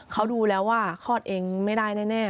เขาดูแล้วว่าคลอดเองไม่ได้แน่